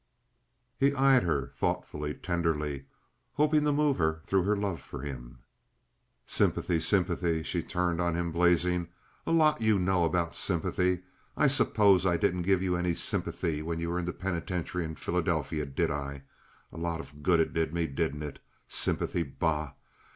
He eyed her thoughtfully, tenderly, hoping to move her through her love for him. "Sympathy! Sympathy!" She turned on him blazing. "A lot you know about sympathy! I suppose I didn't give you any sympathy when you were in the penitentiary in Philadelphia, did I? A lot of good it did me—didn't it? Sympathy! Bah!